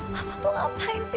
bapak tuh ngapain sih